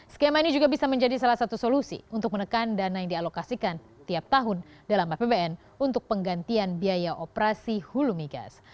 skema ini juga bisa menjadi salah satu solusi untuk menekan dana yang dialokasikan tiap tahun dalam apbn untuk penggantian biaya operasi hulu migas